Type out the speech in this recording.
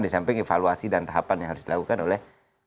di samping evaluasi dan tahapan yang harus dilakukan oleh